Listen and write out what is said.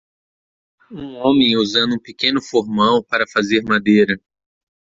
Um homem usando um pequeno formão para fazer madeira.